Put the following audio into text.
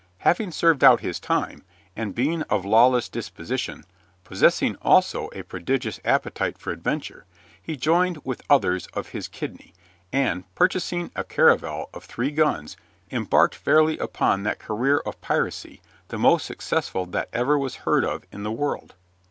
Having served out his time, and being of lawless disposition, possessing also a prodigious appetite for adventure, he joined with others of his kidney, and, purchasing a caravel of three guns, embarked fairly upon that career of piracy the most successful that ever was heard of in the world.